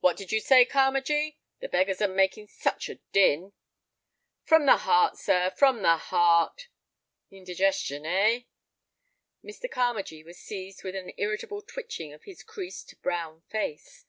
"What did you say, Carmagee? The beggars are making such a din—" "From the heart, sir, from the heart." "Indigestion, eh?" Mr. Carmagee was seized with an irritable twitching of his creased, brown face.